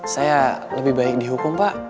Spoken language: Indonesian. saya lebih baik dihukum pak